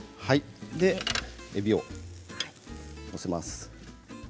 そして、えびを載せます。